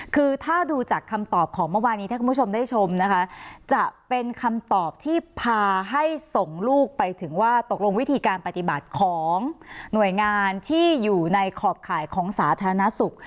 คือถ้าดูจากคำตอบของเมื่อวานี้ถ้าคุณผู้ชมได้ชมนะคะจะเป็นคำตอบที่พาให้ส่งลูกไปถึงว่าตกลงวิธีการปฏิบัติของหน่วยงานที่อยู่ในขอบข่ายของสาธารณสุข